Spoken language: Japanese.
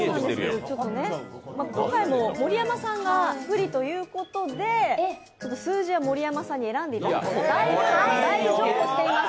今回も盛山さんが不利ということで数字は盛山さんに選んでいただきます。